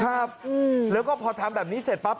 ครับแล้วก็พอทำแบบนี้เสร็จปั๊บ